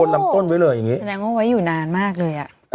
ลำต้นไว้เลยอย่างนี้แสดงว่าไว้อยู่นานมากเลยอ่ะ